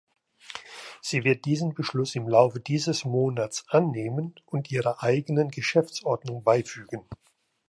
Sie wird diesen Beschluss im Laufe dieses Monats annehmen und ihrer eigenen Geschäftsordnung beifügen.